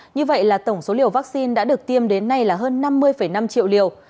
như vậy là tổng số liều vaccine đã được tiêm đến nay là hơn năm mươi năm triệu liều